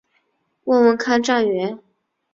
问问看站员